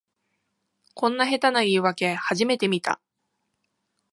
こんな下手な言いわけ初めて見た